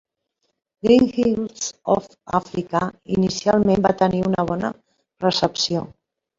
"Green Hills of Africa" inicialment va tenir una bona recepció.